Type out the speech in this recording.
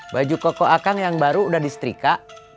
baju koko akang yang baru udah disetrika